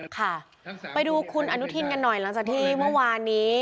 ค่ะไปดูคุณอนุทินกันหน่อยหลังจากที่เมื่อวานนี้